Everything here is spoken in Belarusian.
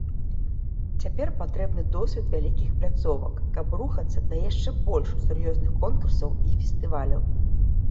Цяпер патрэбны досвед вялікіх пляцовак, каб рухацца да яшчэ больш сур'ёзным конкурсаў і фестываляў.